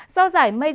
do giải mây rộng